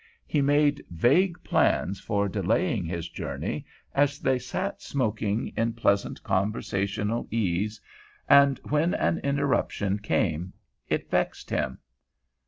He made vague plans for delaying his journey as they sat smoking in pleasant conversational ease; and when an interruption came it vexed him.